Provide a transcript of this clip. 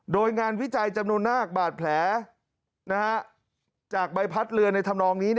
โดยงานวิจัยจำนวนมากบาดแผลจากใบพัดเรือในธรรมนองนี้